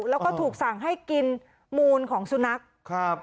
แล้วก็ถูกสั่งให้กินมูลของสุนัขครับ